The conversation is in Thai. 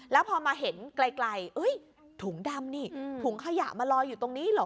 แล้วพอมาเห็นไกลถุงดำนี่ถุงขยะมาลอยอยู่ตรงนี้เหรอ